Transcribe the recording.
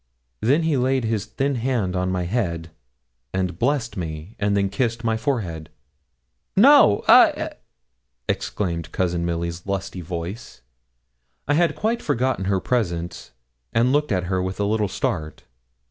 Then he laid his thin hand on my head, and blessed me, and then kissed my forehead. 'No a!' exclaimed Cousin Milly's lusty voice. I had quite forgotten her presence, and looked at her with a little start.